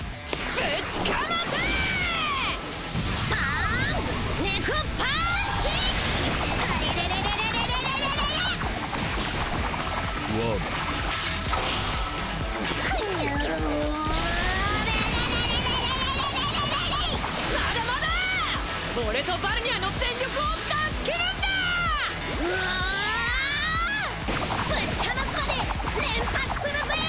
ぶちかますまで連発するぜええー！